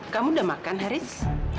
kamu sudah makan haris